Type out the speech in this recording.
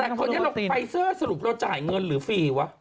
แต่คนนี้เราไฟเซอร์สรุปเราจ่ายเงินหรือฟรีวะ